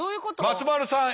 松丸さん